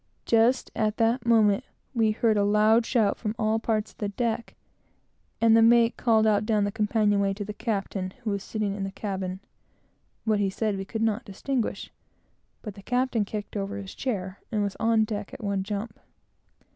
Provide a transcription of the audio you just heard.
Just at that moment we heard a loud shout from all parts of the deck, and the mate called out down the companion way to the captain, who was sitting in the cabin. What he said, we could not distinguish, but the captain kicked over his chair, and was on deck at one jump.